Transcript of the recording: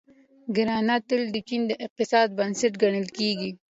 کرنه تل د چین د اقتصاد بنسټ ګڼل کیږي.